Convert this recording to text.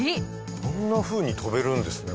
こんなふうに飛べるんですね